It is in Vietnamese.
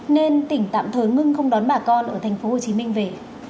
nên tỉnh tạm thời ngưng không đón bà con ở tp hcm về